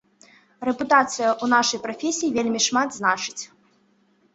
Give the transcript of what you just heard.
Рэпутацыя ў нашай прафесіі вельмі шмат значыць.